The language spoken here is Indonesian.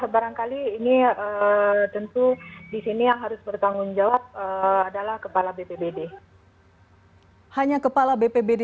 barangkali ini tentu di sini yang harus bertanggung jawab adalah kepala bpbd